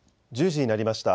１０時になりました。